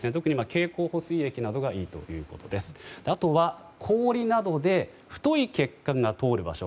経口補水液がいいということであとは氷などで太い血管が通る場所